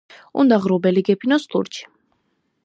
უნდა ღრუბელი გეფინოს ლურჯი